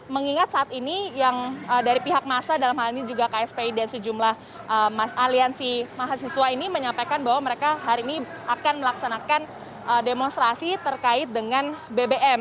mengingat saat ini yang dari pihak masa dalam hal ini juga kspi dan sejumlah aliansi mahasiswa ini menyampaikan bahwa mereka hari ini akan melaksanakan demonstrasi terkait dengan bbm